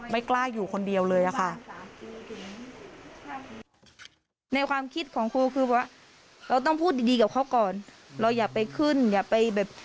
ไม่กล้าอยู่คนเดียวเลยอะค่ะ